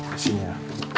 di sini ya